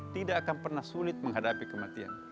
tidak akan pernah sulit menghadapi kematian